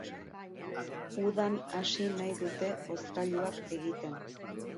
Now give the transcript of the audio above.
Udan hasi nahi dute hozkailuak egiten.